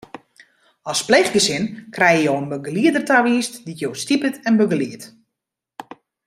As pleechgesin krije jo in begelieder tawiisd dy't jo stipet en begeliedt.